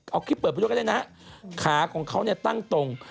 เอาคลิปเปิดไปดูกันได้นะขาของเขาตั้งตรง